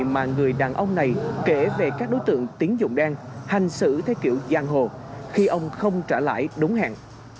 mà người đàn ông này kể về các đối tượng tiếng dụng đen hành xử thế kiểu giang hồ khi ông không trả lãi đúng hẹn